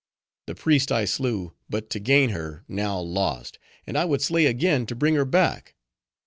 The priest I slew, but to gain her, now lost; and I would slay again, to bring her back.